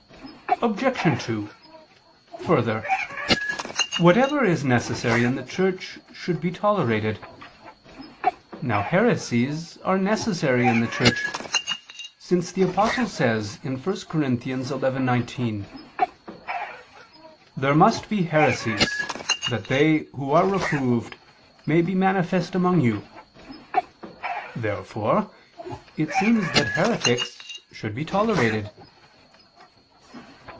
Obj. 2: Further, whatever is necessary in the Church should be tolerated. Now heresies are necessary in the Church, since the Apostle says (1 Cor. 11:19): "There must be ... heresies, that they ... who are reproved, may be manifest among you." Therefore it seems that heretics should be tolerated.